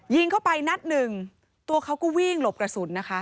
ยิงเข้าไปนัดหนึ่งตัวเขาก็วิ่งหลบกระสุนนะคะ